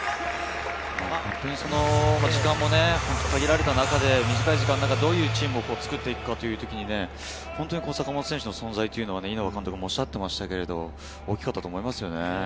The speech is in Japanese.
本当に時間も限られた中でどういうチームを作っていくかという時に、坂本選手の存在、稲葉監督も言っていましたけど大きかったと思いますね。